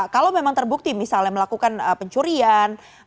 kalau memang terbukti misalnya melakukan pencurian